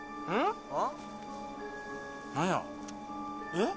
えっ？